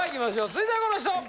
続いてはこの人！